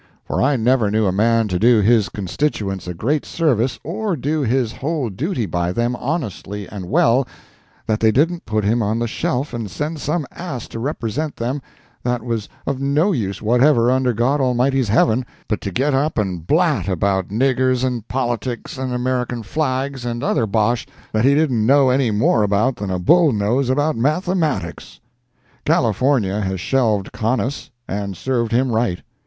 For I never knew a man to do his constituents a great service, or do his whole duty by them honestly and well, that they didn't put him on the shelf and send some ass to represent them that was of no use whatever under God Almighty's Heaven but to get up and "blat" about niggers and politics and American flags and other bosh that he didn't know any more about than a bull knows about mathematics. California has shelved Conness, and served him right.